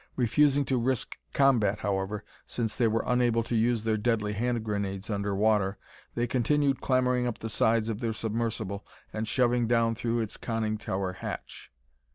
Refusing to risk combat, however, since they were unable to use their deadly hand grenades under water, they continued clambering up the sides of their submersible and shoving down through its conning tower hatch.